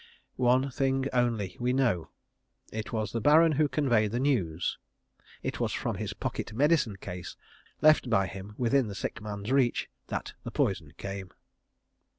One thing only we know _It was the Baron who conveyed the news. It was from his pocket medicine case, left by him within the sick man's reach, that the poison came.